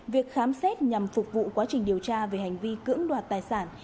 việc khám xét nhằm phục vụ quá trình điều tra về hành vi cưỡng đoạt tài sản